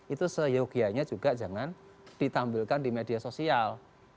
itu seyogianya juga jangan ditampilkan di media sosial